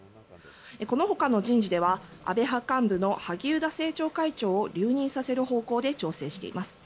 このほかの人事では安倍派幹部の萩生田政調会長を留任させる方向で調整しています。